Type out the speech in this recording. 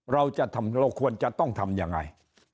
เราจะทำเราควรจะต้องทำยังไง